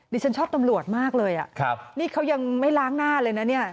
ฉันชอบตำรวจมากเลยอ่ะครับนี่เขายังไม่ล้างหน้าเลยนะเนี่ย